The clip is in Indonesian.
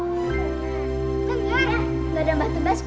gak ada mbak tebas kok